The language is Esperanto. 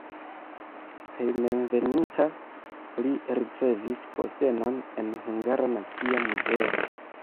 Hejmenveninta li ricevis postenon en Hungara Nacia Muzeo.